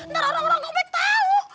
ntar orang orang gak mau tahu